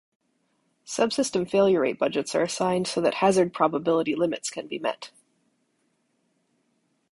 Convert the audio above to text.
Subsystem failure rate budgets are assigned so that hazard probability limits can be met.